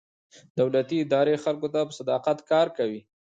دولتي ادارې خلکو ته په صداقت کار کوي.